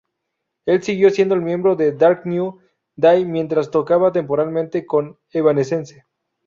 Él siguió siendo miembro de Dark New Day mientras tocaba temporalmente con Evanescence.